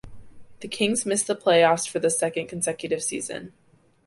The Kings missed the playoffs for the second consecutive season.